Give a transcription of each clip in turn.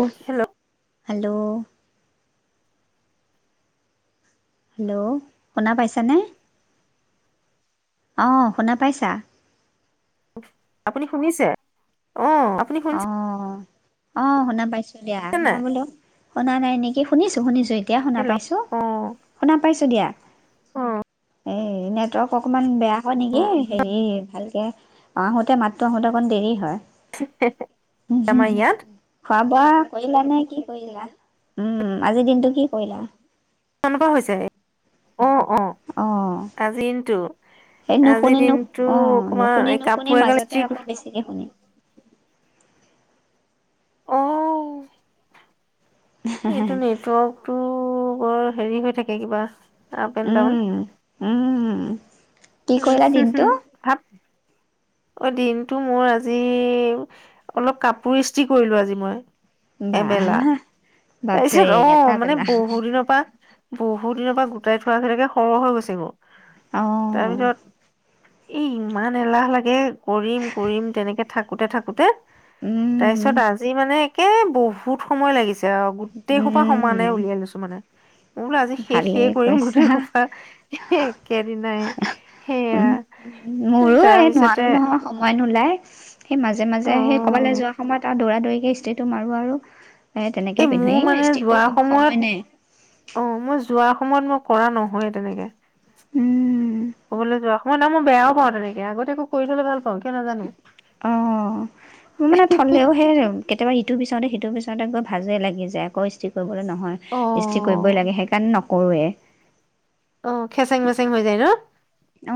অ' hello, hello, hello, শুনা পাইছানে? অহ ', শুনা পাইছা? আপুনি শুনিছে? অ আপুনি শুনিছে অহ, অ, শুনা পাইছো। দিয়া মই নাই বোলো, - শুনা নাই নেকি? শুনিছো -শুনিছো এ', - এতিয়া শুনা হেল্ল' পাইছো, অ শুনা পাইছো। দিয়া। অ এই নেটৱৰ্ক অকমান বেয়া হয় অ', নেকি হেৰি ভালকে আহোতে মাতটো আহোতে অকন দেৰি হয়। হে হে আমাৰ ইয়াত বা কৰিলা নে কি কৰিলা উম আজিৰ দিনটো কি কৰিলা তেনেকুৱা হৈছে অ অ অ' আজি ইনটো সেই নুশুনি নু অ নুশুনি এই নুশুনি কাপোৰ এগাল মাজতে ইস্ত্ৰি আকৌ বেছিকে শুনি আহ এইটো নেটৱৰ্কটো বৰ হেৰি হৈ থাকে কিবা আপ এণ্ ডাউন উম, উম, কি উম কৰিলা হম হুম দিনটো? ভাত অ দিনটো মোৰ আজি অলপ কাপোৰ ইস্ৰি কৰিলো আজি মই বা এবেলা হা হা তাৰপিছত আহ মানে বহুত দিনৰ পৰা বহুত দিনৰ পৰা গোটাই থোৱা কেইটাকে সৰহ হৈ গৈছে ক আহঁ এ ইমান এলাহ লাগে কৰিম কৰিম তেনেকে থাকোঁতে থাকোঁতে উম তাৰপিছত আজি মানে কে বহুত সময় লাগিছে গোটেই সোপা সমানে উম উলিয়াই লৈছো মানে মই বোলো আজি শেষে ভালেই কৰিম কৈছা গোটেই সোপা একেদিনাই ন সেয়া উম তাৰপিছতে নোলায় সেই মাজে অ' মাজে সেই কবালে যোৱা সময়ত আৰু দৌৰা দৌৰিকে ইস্ত্ৰিতো মাৰোঁ আৰু এ তেনেকে এই পিন্ধো মোৰ মানে ইস্ত্ৰি কৰি যোৱা থব সময় নাই সময়ত অ মই যোৱা সময়ত মোক কৰা নহয় তেনেকে উম কবালে যোৱা ম ন মই বেয়াও পাওঁ তেনেকে আগতিয়াকৈ কৰি থ'লে ভাল পাওঁ কিয় নাজানো। অ ম মানে থলেও সেই কেতিয়াবা ইটো পিছতে সিটো পিছতে কৰি ভাজে লাগি যায় আকৌ ইস্তি ক নহয় ইস্তি কৰিবই অ' লাগে সেইকাৰণে ন কৰোৱে অ খেচেং মেচেং হৈ যায় ন অ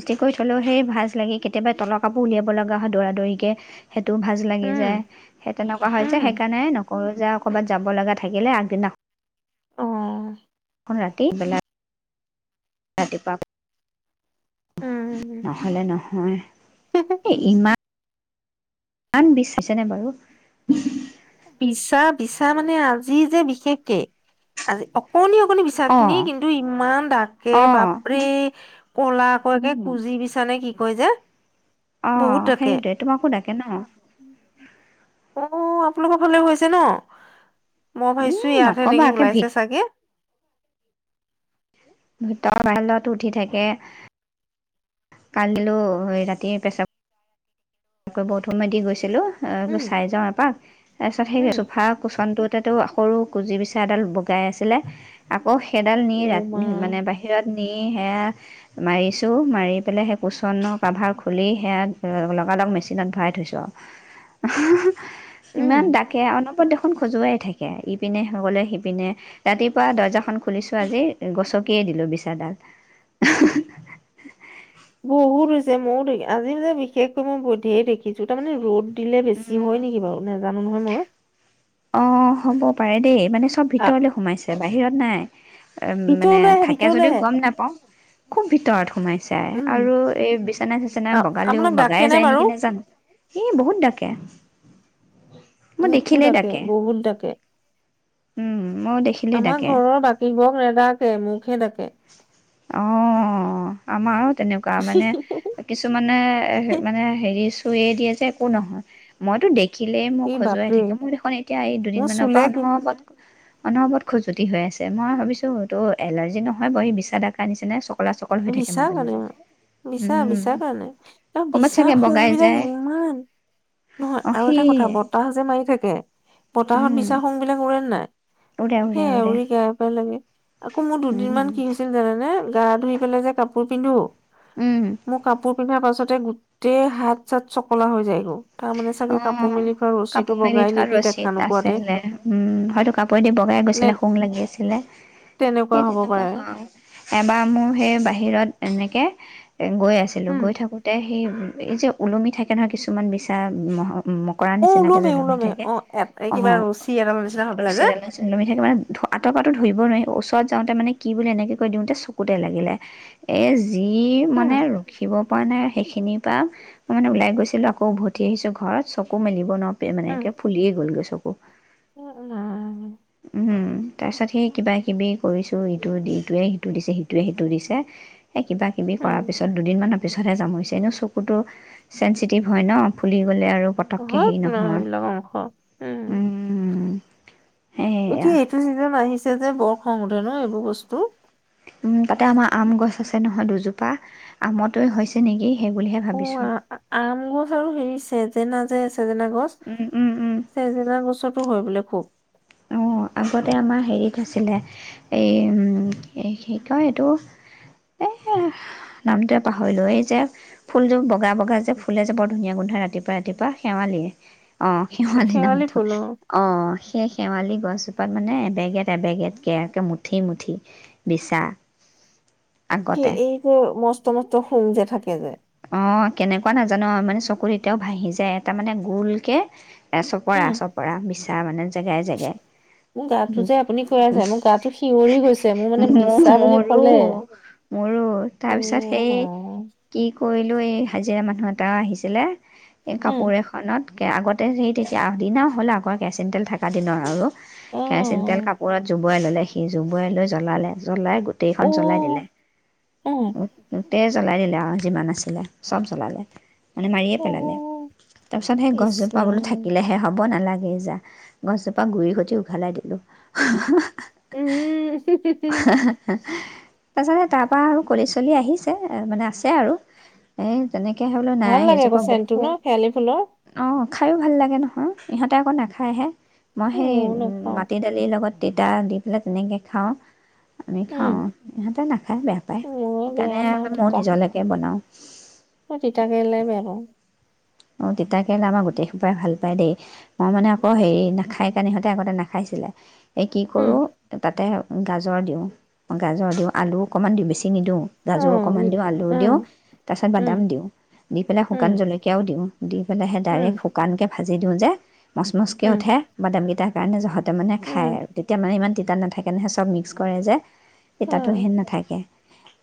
ইষ্টি কৰি থলেও সেই ভাজ লাগি কেতিয়াবা তলৰ কাপোৰ উলিয়াব লগা হয় দৌৰা দৌৰিকে সেইটোও ভাজ লাগি উম যায় সেই তেনেকুৱা হৈ উম। যে সেইকাৰণে নকৰোঁ যে ক'ৰবাত যাব লগা থাকিলে আগদিনা অ', ৰাতি বেলাই ৰাতিপা উম, নহলে নহয় এ ইমান আন বিচাইছে নে বাৰু [unintelligible] বিচা বিচা মানে আজি যে বিশেষকে আজি অকণনি অকণনি বিচাখিনি অ', কিন্তু ইমান ডাকে অ', বাপৰেই কলাকৈ যে কুজি বিছানে কি কয় যে অ বহুত ডাকে সেইটোৱে তোমাকো ডাক কেন অ আপোনালোকৰ ফালে হৈছে ন মই ভাবিছো উম, ইয়াতহে নক'বা নেকি একে ভিত ওলাইছে চাগে ভিতৰ [unintelligible] উঠি থাকে কালিলো ৰাতি পেছাব তকৈ বহুত সময় দি গৈছিলো এই উম, [inaudible] চাই যাওঁ এপাক তাৰপিছত সেই উম, চোফা কুচনটোত তো সৰু কুঁজি বিচা এডাল বগাই আছিলে আকৌ সেইডাল নি ৰা অ', মা মানে বাহিৰত নি সেয়া মাৰিছোঁ মাৰি পেলাই সেই কুচ্বনৰৰ কাভাৰ খুলি সেয়া আলক মেচিনত ভৰাই থৈছো [unintelligible] উম। ইমান ডাকে অনবত দেখ খন খজুৱাই থাকে ইপিনে সকললে সিপিনে ৰাতিপুৱা দৰ্জাখন খুলিছো আজি গছকিয়ে দিলো বিছাডাল [unintelligible] বহুত হৈছে মইও দেখি আজি বিশেষকৈ মই বধে দেখিছো তাৰমানানে ৰ'দ দিলে বেছি হয় নেকি বাৰু নেজানো নহয় মই অঁ হ'ব পাৰে দেই মানে চব আ ভিতৰলে সোমাইছে বাহিৰত নাই মানে ভিতৰলৈ আহে থাকে ভিতৰলৈ যদিও আহে গম নাপাওঁ খুব ভিতৰত সোমাই চাই উম। আৰু এই বিচনা চিচনা অ' বগালেও আপোনাক ডাকে বগাই যায় বাৰু? নেকি নে জানো এ বহুত ডাকে মই মুকু দেখিলেই ডাকে বহুত ডাকে উম মই দেখিলেই আমাৰ ডাকে ঘৰৰ বাকী বোৰক নেদাকে মুখে দেখো অঁ, আমাৰো তেনেকুৱা মানে কিছুমানে মানে হেৰি কৈয়ে দিয়ে যে একো নহয়, মইতো দেখ দেখিলেই মোক ই খজুৱাই বাপৰে থাকে, মোৰ দেখোন এতিয়া এই মোৰ দুদিনমানৰ পৰা চুলে অনবৰত অনবৰত খজুতি হৈ আছে, মই ভাবিছোঁ এইটো এলাৰ্জি নহয় হয় বাৰু ই বিছা দাকা নিচিনাই চ বিচাৰ কাৰণে উম বিচাৰ-বিচাৰ কাৰণে, ক'ৰবাত বিচা চাগে বগাই সোং বিলাক যায় ইমান, নহয় অ আৰু এটা সেইয়ে কথা বতাহ যে মাৰি থাকে বতাহত উম বিছা সুং বিলাক উৰে নাই। উৰে সেই উৰে-উৰে। এউৰি গাই পাই লাগে। আকৌ মোৰ দুদিন মান কি হৈছিল জানানে জানো [unintelligible] লে যে কাপোৰ পিন্ধো। উম মোৰ কাপোৰ পিন্ধাৰ পাছতে গোটেই হাত চাত চকলা হৈ যায় গৈ। অঁ, কাপোৰ মেলি থোৱা নেকি দেখা ৰচীত নোপোৱাতে আছিলে, উম হয়তো কাপোৰেদি বগাই নে গৈছিলে শুং লাগি আছিলে, সেই হ'ব তেনেকুৱা পাৰে হয়। এবাৰ মোৰ সেই বাহিৰত এনেকে এ গৈ আছিলো, উম গৈ থাকোতে সেই এই যে ওলমি থাকে নহয় কিছুমান বিচা [unintelligible] উম্ মকৰা অ নিচিনাকে যে ওলমে ওলমি ওলমে থাকে অ এ অঁ, কিবা ৰছী এডাল নিচিনা হৈ পেলাই যে ৰছীডালৰ [unintelligible] ওলমি থাকে মানে আতৰ পৰাটো ধৰিব নোৱাৰি ওচৰত যাওঁতে মানে কি বুলি এনেকে কৈ দিওঁতে চকুতে লাগিলে এ যি উম মানে ৰখিব পৰা নাই সেইখিনিৰ পৰা মই মানে ওলাই গৈছিলো আকৌ বহুত তি আহিছোঁ ঘৰত চকু মেলিব নোৱাৰো [unintelligible] মানে উম একে ফুলিয়ে গ'লগৈ চকু [unintelligible] [unintelligible] উম হম। তাৰপিছত সেই কিবাকিবি কৰিছোঁ, ইটো ইটোৱে সিটো দিছে সিটোৱে সিটো দিছে। এ কিবা কিবি উম কৰাৰ পিছত দুদিনমান তাৰপিছতহে যামৰিছে, এনেও চকুটো চেঞ্চিটিভ হয় ন ফুলি গ'লে আৰু পতককে হওক হেৰি ন নহয়, সেইবিলাক অংশ উম উম। সেয়া এতিয়া এইটো চিজন আহিছে যে বৰ খং উঠে ন এইবোৰ বস্তু উম তাতে আমাৰ আম গছ আছে নহয় দুজোপা আমত হৈছে নেকি সেই বুলিহে অ ভাবিছোঁ আম গছ আৰু হেৰি যে যজিনা চজিনা গছ উম, উম, উম, চজিনা গছত হৈ বোলে খুব অ', আগতে আমাৰ হেৰিত আছিলে এইম কি কয় এইটো এ নামটোৱে পাহৰিলো এই যে ফুলযোৰ বগা বগা যে ফুলে যে বৰ ধুনীয়া গোন্ধাই ৰাতিপুৱা ৰাতিপুৱা শেৱালিয়ে অঁ শেৱালি নামটো ফুল অ অঁ সেই শেৱালি গছো তাত মানে এবেগেট এবেগেট কে একে মুঠিয়ে মুঠিয়ে বিচা এই বোৰ বচতো একমাত্ৰ শুং যে থাকে যায় অঁ কেনেকুৱা নাজানো মানে চকু এতিয়াও ভাহি যায় এটা মানে গোল কে চপৰা উম। চপৰা বিছা বিচা মানে জেগাই জেগাই মোৰ গাটো যে আপুনি কৈ আছে মোৰ গাটো শিয়ৰি গৈছে মোৰ মানে বিচা বুলি কলে মোৰো এ তাৰপিছত সেই অঁ কি কৰিলোঁ এই হাজিৰা মানুহ এটা আহিছিলে এই উম কাপোৰ এখনত আগতে সেই তেতিয়া আদিনা হ'ল আগৰ কেচিন তেল থকা দিনৰ আৰু কেৰাচিন তেল অ' কাপোৰত য জবুৰাই ল'লে সি জবুৰাই লৈ জ্বলালে জ্বলাই গোটেইখন জ্বলাই অ' দিলে উম উম তেজ ওলায় দিলে অঁ যিমান আছিলে চব জ্বলালে মানে মাৰিয়ে পেলালে অ' তাৰ পিছত সেই ইচ গছজোপা বোলো ৰাম থাকিলেহে হ'ব নালাগে লেই যা গছজোপা গুৰি কটি উঘলাই দিলোঁ উম উম উম উম তাৰপছতে তাৰপৰা আৰু কলি চলি আহিছে মানে আছে আৰু এই তেনেকৈ বোলো ভাল নাই লাগে আকৌ এজোপা চেনটো ন শেৱালি ফুলৰ বহুত অঁ খায়ো ভাল লাগে নহয় ইহঁতে আকৌ নাখায়হে মই উম, সেই ময়ো উম নাপাওঁ মাটি দালিৰ লগত তিতা দি পেলাই তেনেকৈ খাওঁ আমি উম খাওঁ সিহঁতে নাখায় বেয়া পায় মই সেইকাৰণে বেয়া ময় নিজলৈকে বনাওঁ তিতাকেলোই বেয়া পওঁ অঁ তিতাকেৰেলা আমাৰ গোটেই সোপাই ভাল পায় দেই মই মানে আকৌ হেৰি নাখাই কানে সিহঁতে আগতে নাখাইছিলে এই কি উম কৰোঁ তাতে গাজৰ দিওঁ গাজৰ দিওঁ আলু অকণমান দিওঁ বেছি নি নিদিওঁ অ' গাজৰ অকণমান দিওঁ আলু উম দিওঁ তাৰপিছত উম বাদাম দিওঁ দি পেলাই শুকান উম জলকীয়াও দিওঁ দি পেলাই সেই উম ডাইৰেক্ট শুকানকে ভাজি দিওঁ যে মচমচকৈ উম উঠে বাদামকেইটাক [unintelligible] যা হত মানে খাই উম আৰু তেতিয়া মানে ইমান তিত তা নাথাকে নহে চব মিক্স কৰে যে এ তাতো হেন উম নাথাকে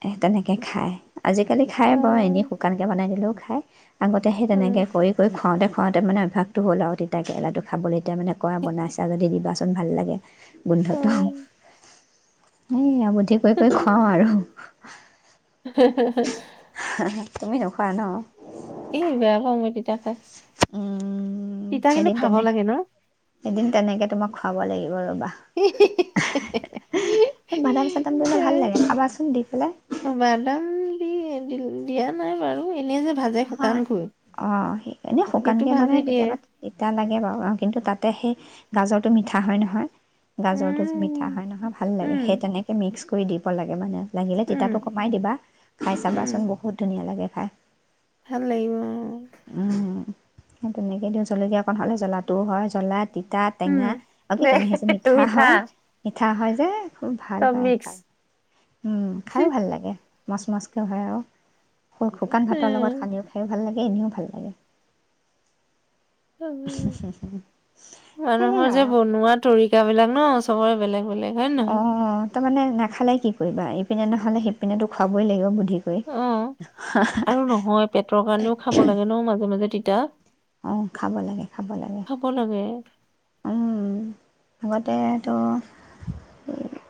এ তেনেকে খাই আজিকালি খায় বৰ অ' এনেই শুকানকে বনাই দিলেও খায় আগতে সেই তেনেকে উম, কৰি কৰি খুৱাওঁতে খুৱওঁতে মানে অভ্যাসটো হ'ল আৰু তিতাকেৰেলা টো খাবলৈ তেতিয়া মানে কয় বনাইছা যদি দিবা ভাল লাগে গোন্ধটো অ', সেই আব এতিকৈকৈ খুৱওঁ আৰু হ তুমি নোখোৱা ন এই বেয়া পাওঁ মই তিতা খাই উম তিতা কিন্তু এদিন খাব তেনে লাগে ন? এদিন তেনেকে তোমাক খুৱাব লাগিব ৰ'বা বাদাম চাদাম দিলে ভাল লাগে খাবাচোন দি পেলাই বাদাম দি দিয়া নাই বাৰু এনেই যে ভাজে হয় শুকানকৈ অ সেই সেইটো শুকানকে মানে ভাজি দিয়ে। কেতিয়াবা তিতা লাগে বাৰু অ কিন্তু তাতে সেই গাজৰটো মিঠা হয় নহয় গাজৰটো মিঠা হয় উম, নহয় ভাল লাগে উম, সেই তেনেকে মিক্স কৰি দিব লাগে মানে লাগিলে উম, তিতাটো কমাই দিবা খাই উম, চাবাচোন বহুত ধুনীয়া লাগে খায় ভাল লাগিব ন [inaudible] স তেনেকে দিওঁ জলকীয়া অকণ হ'লে জ্বলাটোও হয় জ্বলাত তিতা উম। টেঙা অ কি দে টেঙা সেইচ মিঠা হয় মিঠা হয় যে খুব ভাল চব পায় মিক্স। খাই উম খাইয়ো ভাল লাগে [unintelligible] শুকান ভাতৰ লগত উম, সানিও খাই ভাল লাগে। এ এনেও ভাল লাগে। সেয়াই মানুহৰ আৰু যে বনোৱা তৰিকা বিলাক ন। চবৰে বেলেগ। বেলেগ হয়নে নহয়। অঁ তাৰমানে নাখালে কি কৰিবা ইপিনে নহ'লে সিপিনেতো খুৱাবই লাগিব। বুদ্ধি কৰি অ'আৰু নহয় পেটৰ কাৰণেও খাব লাগে ন মাজে মাজে। [unintelligible] অ' খাব লাগে খাব লাগে। খাব লাগে উম আগতেতো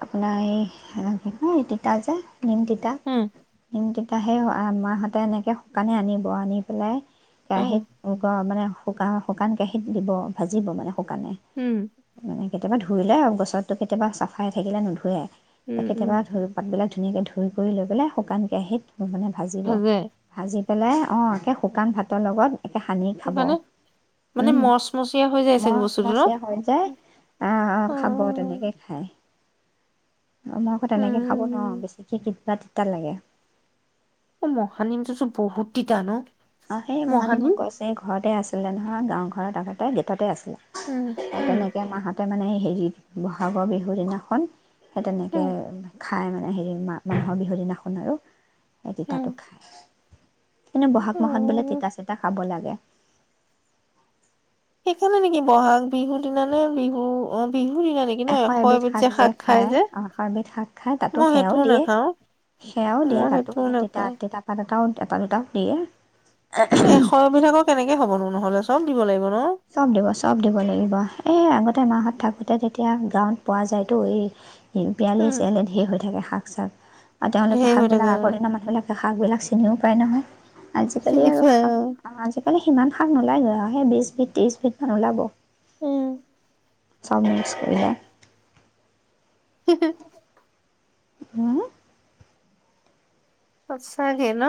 আপোনাৰ এই কি কয় তিতা যে, নিমতিতা উম [unintelligible] তয়া সেই মাহঁতে এনেকৈ শুকানে আনিব আনি পেলাই। উম কেৰাহীত মানে, শুকান, শুকান কেৰাহীত দিব ভাজিব মানে। শুকানে উম মানে কেতিয়াবা ধুই লই আৰু। বছৰটো কেতিয়াবা চাফাই থাকিলে নোধোৱে। উম উম কেতিয়াবা ধৰি পাতবিলাক ধুনীয়াকৈ ধুই কৰি লৈ পেলাই শুকান কেৰাহীত। মানে ভাজিব ভাজে ভাজি পেলাই অঁ একে শুকান ভাতৰ লগত। একে সানি খাব মানে, মানে উম মচমচীয়া হৈ যায়যে। মচমচীয়া হৈ যায় অ' খাব তেনেকে খায়। মই আকৌ তেনেকে খাব নোৱাৰো উম বেছিকে কিবা তিতা লাগে। অ' মহানিমটোটো বহুত তিতা ন। অ' সেই মহানীমৰ মহানিম গছ সেই ঘৰতে আছিলে নহয় গাঁও। ঘৰত আগতে গেটতে আছে। উম আৰু উম তেনেকে মা হ'তে মানে হেৰি বহাগৰ বিহুৰ দিনাখন। সেই তেনেকে, উম খাই মানে হেৰি মানুহৰ বিহুৰ দিনাখন আৰু। সেই উম তিতাতো খায়। এনে বহাগ মাহত অ বোলে তিতা চিতা খাব লাগে। সেইকাৰণে নেকি বহাগ বিহুৰ দিনানে বিহু অ', বিহু এশ এবিধ শাক যে খায় যে এশ এবিধ শাক খায় তাতো মই সেয়াও সেইটোও দিয়ে নাখাও সেয়াও দিয়ে মই তাতো সেইটোও সেই তিতা নাখাও তিতা পাত এটাও এটা দুটা দিয়ে। এশ বিলাকৰ কেনেকে হ'বনো? নহ'লে চব দিব লাগিব। ন চব দিব চব দিব লাগিব এ আগতে তে মাহত থাকোতে তেতিয়া গাঁৱত পোৱা যায়তো এই পিয়ালি উম, চিয়ালে ঢেৰ হৈ থাকে শাক-চাক। আৰু তেওঁলোকে ধেৰ হৈ থাকে শাকবিলাক আগ অ, দিনৰ মানুহবিলাক শাকবিলাক চিনিও পায় নহয়। আজিকালি চিনি আৰু পাই অ, শাক আমাৰ যে সিমান শাক নোলায়গৈ আৰু সেই বিছবিধ ত্ৰিছ বিধ ওলাব। উম। চব মিচকৰিলে হ [unintelligible] হম। সচাঁকে ন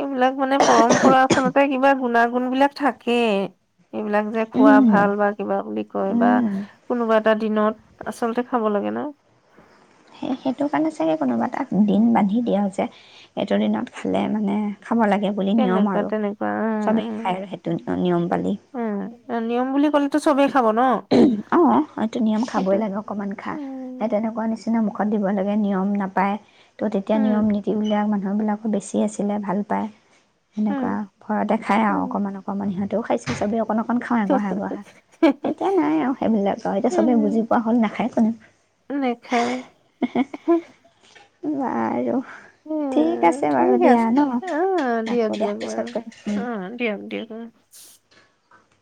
এইবিলাক মানে পৰম্পৰা আচলতে কিবা গুণা গুণ বিলাক থাকেই। এইবিলাক যে খোৱা ভাল বা কিবা বুলি কয় বা কোনোবা এটা দিনত আচলতে খাব লাগে ন'। সেই সেইটো কাৰণে চাগে কোনোবা এটা দিন বান্ধি দিয়া হৈছে এইটো দিনত খালে মানে খাব লাগে বুলি নিয়ম তেনেকুৱা আৰু তেনেকুৱা চবেই উম, খাই আৰু সেইটো নিয়ম পালি। টো চবেই খাব ন? অ, এইটো নিয়ম সেইটো খাবই লাগে। অকনমান খা। সেই উম, তেনেকুৱা নিচিনা মুখত দিব লাগে নিয়ম নাপায়। ত' তেতিয়া নিয়ম উম, নীতি উলিয়াই মানু মানুহবিলাকো বেছি আছিলে। ভাল পায়। উম, সেনেকুৱা ভয়তে খাই আৰু উম, অকমান অকমান সিহঁতে ও খাইছিল চবেই অকন অকন। অকন খাওঁ এগহা এগহা। এতিয়া নাই আৰু সেইবিলাক। এতিয়া উম, চবেই বুজি পোৱা হ'ল না। খাই কোনে? নেখায়। বাৰু। ঠিক উম আছে বাৰু ঠিক দিয়া আছে ন অ', দিয়ক, ৰাখোঁ দিয়া দিয়ক বাৰু পিছত কৰিম অ', দিয়ক, দিয়ক বাৰু। [inaudible]